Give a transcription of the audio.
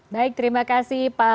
baik terima kasih pak